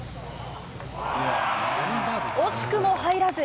惜しくも入らず。